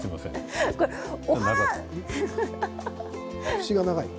節が長い。